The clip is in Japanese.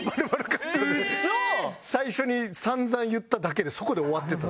最初に散々言っただけでそこで終わってた。